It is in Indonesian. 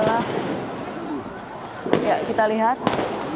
capitalista malaysia beda jadispainhung